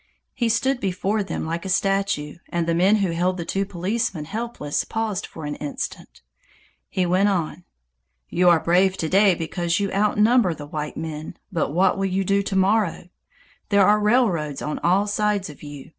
He stood before them like a statue and the men who held the two policemen helpless paused for an instant. He went on: "You are brave to day because you outnumber the white men, but what will you do to morrow? There are railroads on all sides of you.